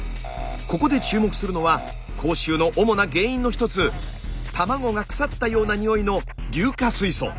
ここで注目するのは口臭の主な原因の一つ卵が腐ったようなにおいの硫化水素。